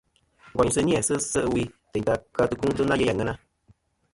Ngòynsɨ ni-æ se' ɨwe tèyn tɨ ka tɨkuŋtɨ na yeyn àŋena.